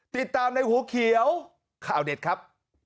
ติดตามในหัวเขียวข่าวเด็ดครับ